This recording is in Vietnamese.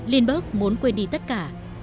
lindbergh muốn quên đi tất cả